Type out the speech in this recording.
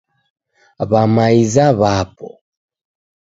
W'amaiza w'apo.